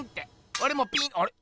おれもピーあれ？